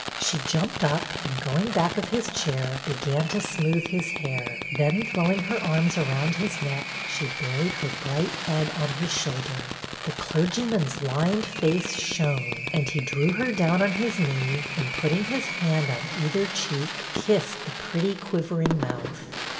She jumped up and, going back of his chair, began to smooth his hair, then throwing her arms around his neck she buried her bright head on his shoulder. The clergyman's lined face shone and he drew her down on his knee and, putting his hand on either cheek, kissed the pretty quiv ering mouth.